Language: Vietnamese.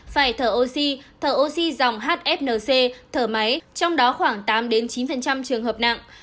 phải thở oxy thở oxy dòng hfnc thở máy trong đó khoảng tám chín trường hợp nặng